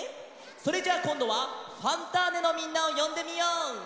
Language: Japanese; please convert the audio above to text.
それじゃあこんどは「ファンターネ！」のみんなをよんでみよう！